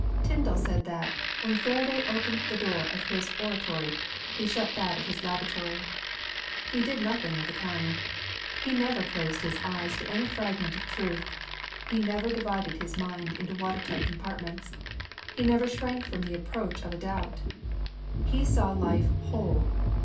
Tyndall said that, when Faraday opened the door of his oratory, he shut that of his laboratory. He did nothing of the kind. He never closed his eyes to any fragment of truth; he never divided his mind into watertight compartments; he never shrank from the approach of a doubt. He saw life whole.